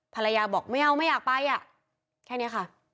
ภรรยาบอกไม่เอาไม่อยากไปอ่ะแค่นี้ค่ะ